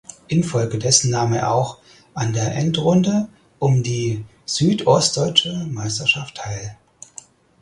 Infolgedessen nahm er auch an der Endrunde um die Südostdeutsche Meisterschaft teil.